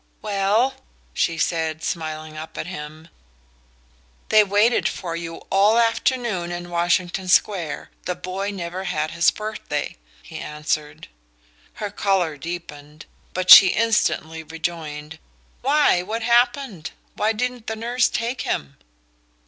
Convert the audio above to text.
"Well?" she said, smiling up at him. "They waited for you all the afternoon in Washington Square the boy never had his birthday," he answered. Her colour deepened, but she instantly rejoined: "Why, what happened? Why didn't the nurse take him?"